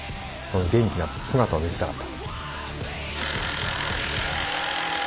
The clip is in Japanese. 元気な姿を見せたかった。